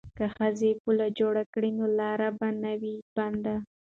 که ښځې پل جوړ کړي نو لاره به نه وي بنده.